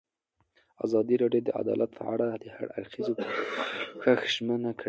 ازادي راډیو د عدالت په اړه د هر اړخیز پوښښ ژمنه کړې.